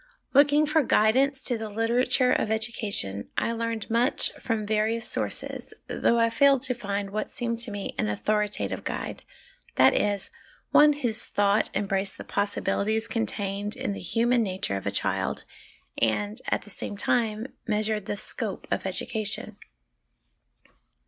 Looking for guidance to the literature of education, I learned much from various sources, though I failed to find what seemed to me an authoritative guide, that is, one whose thought em braced the possibilities contained in the human nature of a child, and, at the same time, measured the scope of education.